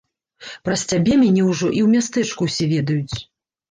Праз цябе мяне ўжо і ў мястэчку ўсе ведаюць!